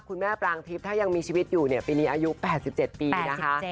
คุณแม่ปรางทิพย์ถ้ายังมีชีวิตอยู่เนี่ยปีนี้อายุแปดสิบเจ็ดปีนะคะ